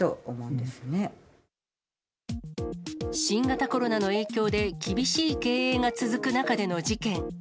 新型コロナの影響で厳しい経営が続く中での事件。